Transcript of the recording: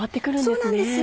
そうなんです。